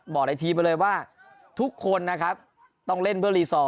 ในทีมไปเลยว่าทุกคนนะครับต้องเล่นเพื่อรีซอร์